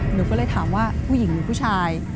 หนูก็เลยถามว่าผู้หญิงหรือผู้ชาย